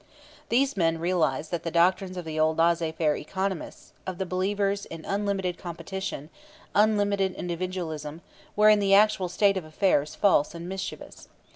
These men realized that the doctrines of the old laissez faire economists, of the believers in unlimited competition, unlimited individualism, were in the actual state of affairs false and mischievous.